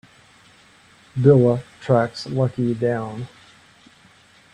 Billa tracks Lucky down.